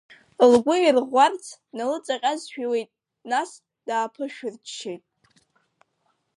Лгәы ирӷәӷәарц, дналыҵаҟьазшәа иуит, нас дааԥышәырччеит.